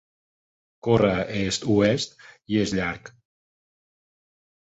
Corre est-oest i és llarg.